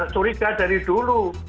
curiga dari dulu